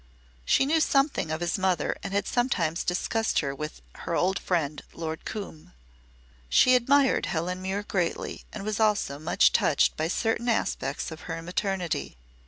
She knew something of his mother and had sometimes discussed her with her old friend, Lord Coombe. She admired Helen Muir greatly and was also much touched by certain aspects of her maternity.